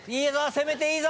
攻めていいぞ！